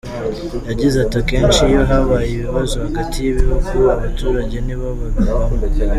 Yagize ati “Akenshi iyo habaye ibibazo hagati y’ibihugu, abaturage ni bo babigwamo.